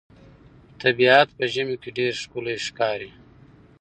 طبیعت په ژمي کې ډېر ښکلی ښکاري.